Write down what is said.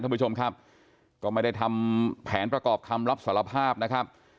ท่านผู้ชมครับก็ไม่ได้ทำแผนประกอบคำรับสารภาพนะครับ